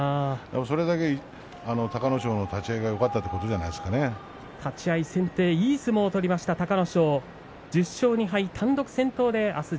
それだけ隆の勝の立ち合いがよかった立ち合い先手いい相撲を取りました隆の勝です。